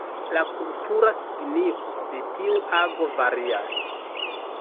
La kultura signifo de tiu ago varias.